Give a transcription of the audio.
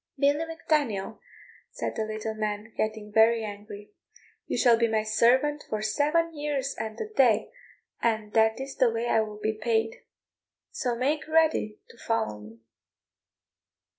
"Billy Mac Daniel," said the little man, getting very angry, "you shall be my servant for seven years and a day, and that is the way I will be paid; so make ready to follow me."